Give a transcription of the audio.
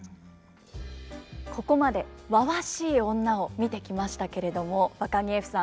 ここまでわわしい女を見てきましたけれどもわかぎゑふさん